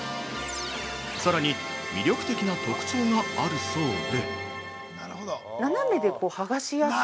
さらに、魅力的な特徴があるそうで◆